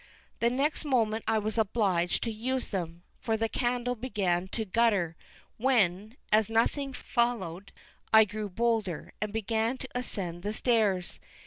The next moment I was obliged to use them, for the candle began to gutter; when, as nothing followed, I grew bolder, and began to ascend the stairs.